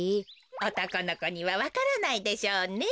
おとこのこにはわからないでしょうね。